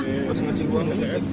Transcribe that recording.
di pasukan tas dulu